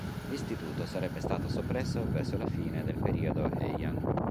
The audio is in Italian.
L'istituto sarebbe stato soppresso verso la fine del periodo Heian.